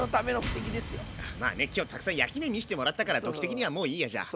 まあね今日たくさん焼き目見してもらったからドッキー的にはもういいやじゃあ。